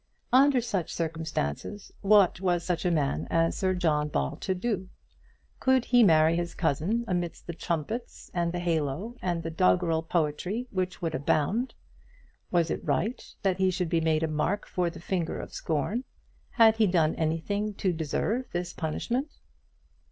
Under such circumstances, what was such a man as Sir John Ball to do? Could he marry his cousin amidst the trumpets, and the halo, and the doggrel poetry which would abound? Was it right that he should be made a mark for the finger of scorn? Had he done anything to deserve this punishment?